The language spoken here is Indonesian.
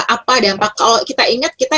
apa dampak kalau kita ingat kita